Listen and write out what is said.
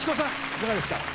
いかがですか？